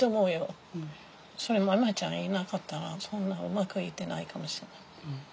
それマエちゃんいなかったらそんなうまくいってないかもしれない。